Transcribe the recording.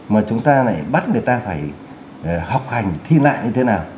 mà chúng ta lại bắt người ta phải học hành thi lại như thế nào